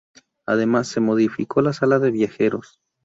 Además, se modificó la sala de viajeros.